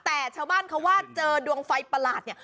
แต่ชาวบ้านเขาว่าเจอดวงไฟประหลาดเนี่ย